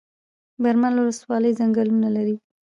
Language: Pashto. برمل ولسوالۍ ځنګلونه لري؟